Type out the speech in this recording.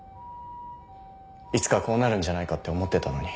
いつかこうなるんじゃないかって思ってたのに。